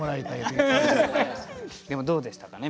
でもどうでしたかね？